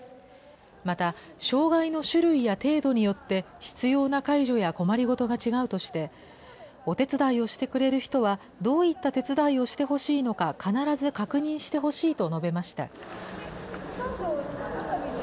また、障害の種類や程度によって必要な介助や困りごとが違うとして、お手伝いしてくれる人はどういった手伝いをしてほしいのか必ず確認してほしいと述べました。